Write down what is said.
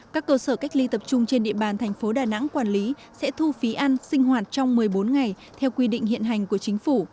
các cơ sở cách ly tập trung trên địa bàn thành phố đà nẵng quản lý sẽ thu phí ăn sinh hoạt trong một mươi bốn ngày theo quy định hiện hành của chính phủ